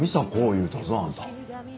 言うたぞあんた。